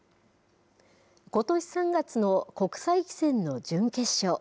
ことし３月の国際棋戦の準決勝。